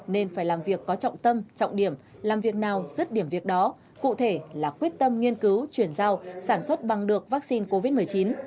nên phải làm việc có trọng tâm trọng điểm làm việc nào rứt điểm việc đó cụ thể là quyết tâm nghiên cứu chuyển giao sản xuất bằng được vaccine covid một mươi chín